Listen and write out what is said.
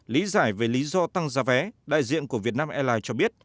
lý giải về lý do tăng giá vé đại diện của việt nam airlines cho biết